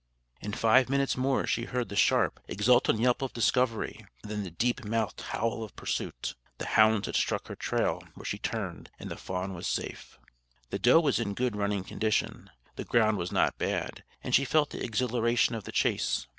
In five minutes more she heard the sharp, exultant yelp of discovery, and then the deep mouthed howl of pursuit. The hounds had struck her trail where she turned, and the fawn was safe. The doe was in good running condition, the ground was not bad, and she felt the exhilaration of the chase.